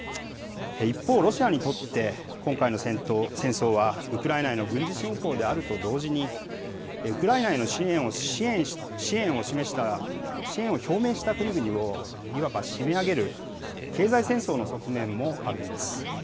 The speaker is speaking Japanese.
一方、ロシアにとって、今回の戦争はウクライナへの軍事侵攻であると同時に、ウクライナへの支援を表明した国々をいわば締め上げる、経済戦争の側面もあるんです。